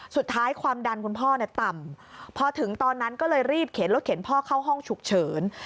ความดันคุณพ่อเนี่ยต่ำพอถึงตอนนั้นก็เลยรีบเข็นรถเข็นพ่อเข้าห้องฉุกเฉิน